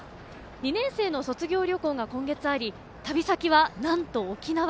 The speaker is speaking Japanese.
２年生の卒業旅行が今月あり旅先は、なんと沖縄。